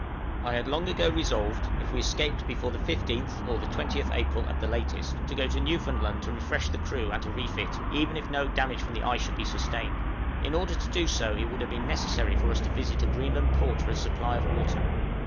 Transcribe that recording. I had long ago resolved, if we escaped before the 15th, or the 20th April at the latest, to go to Newfoundland to refresh the crew and to refit, even if no damage from the ice should be sustained. In order to do so it would have been necessary for us to visit a Greenland port for a supply of water.